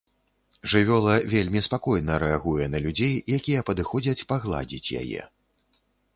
Жывёла вельмі спакойна рэагуе на людзей, якія падыходзяць пагладзіць яе.